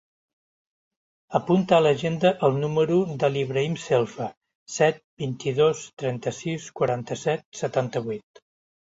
Apunta a l'agenda el número de l'Ibrahim Selfa: set, vint-i-dos, trenta-sis, quaranta-set, setanta-vuit.